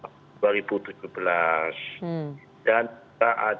bahwa orang yang duduk menjadi pengurus harian di nu